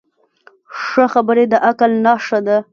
ښه خبرې د عقل نښه ده